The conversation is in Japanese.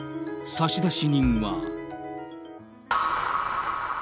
差出人は。